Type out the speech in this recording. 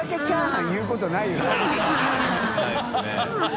ないですね